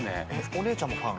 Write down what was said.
お姉ちゃんもファン？